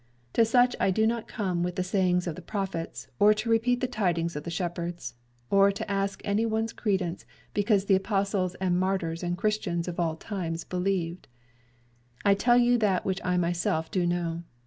To such I do not come with the sayings of the prophets, or to repeat the tidings of the shepherds, or to ask any one's credence because the apostles and martyrs and Christians of all times believed. I tell you that which I myself do know.